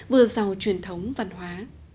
vừa giàu truyền thống văn hóa